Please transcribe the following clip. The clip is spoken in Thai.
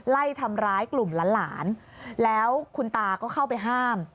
ไล่ทำร้ายกลุ่มหลานแล้วคุณตาก็เข้าไปห้าม